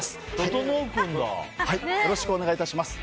よろしくお願いします。